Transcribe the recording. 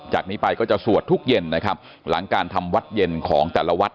จากนี้ไปก็จะสวดทุกเย็นนะครับหลังการทำวัดเย็นของแต่ละวัด